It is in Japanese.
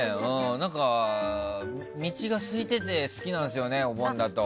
何か道が空いてて好きなんですよね、お盆だと。